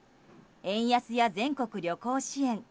円安や全国旅行支援。